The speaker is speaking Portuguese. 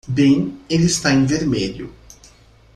Bem, ele está em vermelho.